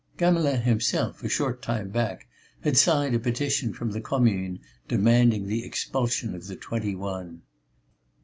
Gamelin himself a short time back had signed a petition from the Commune demanding the expulsion of the Twenty one.